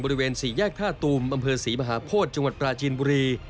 บริเวณสี่แยกท่าตูมอำเภอศรีมหาโพธิจังหวัดปราจีนบุรี